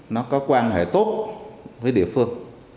nó có quan hệ tốt với địa phương